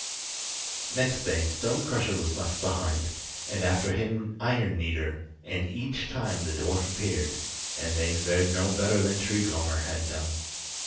Next day Stone Crusher was left behind, and after him Iron Kneader, and each time the dwarf appeared, and they fared no better than Tree Comber had done.